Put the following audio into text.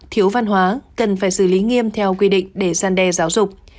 thiếu văn hóa cần phải xử lý nghiêm theo quy định để gian đe giáo dục